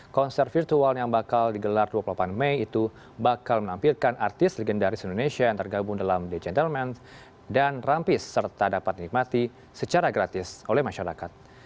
konser virtual yang bakal digelar dua puluh delapan mei itu bakal menampilkan artis legendaris indonesia yang tergabung dalam the gentleman dan rampis serta dapat dinikmati secara gratis oleh masyarakat